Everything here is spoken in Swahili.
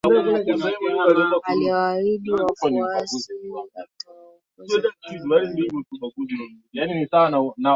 aliyewaahidia wafuasi atawaongoza badala yake Kwa msingi huo